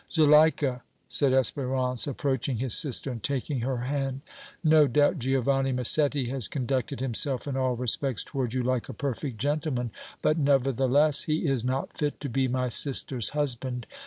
"Zuleika," said Espérance, approaching his sister and taking her hand, "no doubt Giovanni Massetti has conducted himself in all respects toward you like a perfect gentleman, but, nevertheless, he is not fit to be my sister's husband."